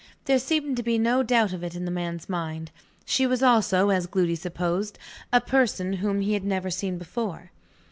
There seemed to be no doubt of it in the man's mind. She was also, as Gloody supposed, a person whom he had never seen before.